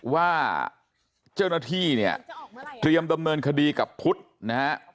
ว่าเจ้าหน้าที่เนี่ยเตรียมดำเนินคดีกับพุทธนะฮะ